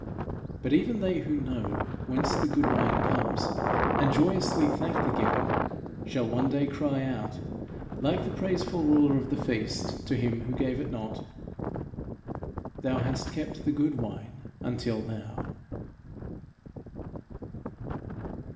But even they who know whence the good wine comes, and joyously thank the giver, shall one day cry out, like the praiseful ruler of the feast to him who gave it not, "Thou hast kept the good wine until now."